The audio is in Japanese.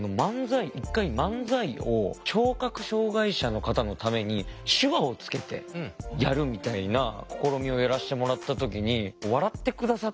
１回漫才を聴覚障害者の方のために手話をつけてやるみたいな試みをやらせてもらった時に笑って下さって。